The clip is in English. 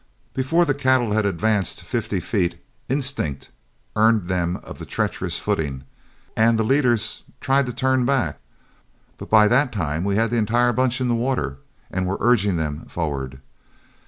Before the cattle had advanced fifty feet, instinct earned them of the treacherous footing, and the leaders tried to turn back; but by that time we had the entire bunch in the water and were urging them forward.